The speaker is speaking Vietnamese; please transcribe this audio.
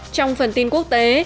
trong phần tin quốc tế